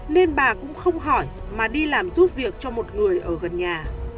nên bà cũng không hỏi mà đi làm giúp việc cho một người ở gần nhà